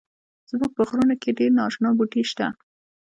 زمونږ په غرونو کښی ډیر ناشنا بوټی شته